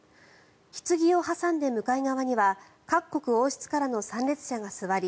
ひつぎを挟んで向かい側には各国王室からの参列者が座り